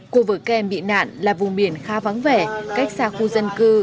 cô vợ các em bị nạn là vùng biển khá vắng vẻ cách xa khu dân cư